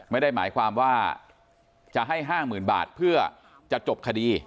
ไม่ได้หมายความว่าจะให้๕๐๐๐บาทเพื่อจะจบคดี